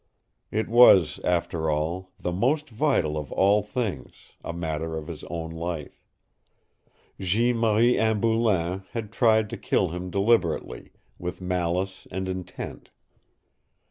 It was, after all, the most vital of all things, a matter of his own life. Jeanne Marie Anne Boulain had tried to kill him deliberately, with malice and intent.